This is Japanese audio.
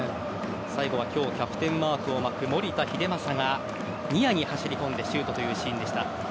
最後は今日キャプテンマークを巻く守田英正がニアに走り込んでシュートというシーンでした。